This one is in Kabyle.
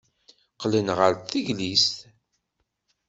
Qqlen ɣer teklizt.